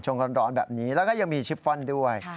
หน้าทานชมร้อนแบบนี้แล้วก็ยังมีชิบฟันด้วย